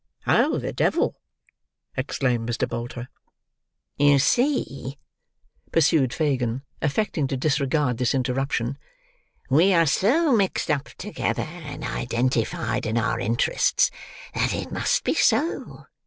"Oh, the devil!" exclaimed Mr. Bolter. "You see," pursued Fagin, affecting to disregard this interruption, "we are so mixed up together, and identified in our interests, that it must be so.